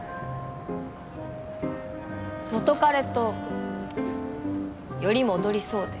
元カレとより戻りそうで。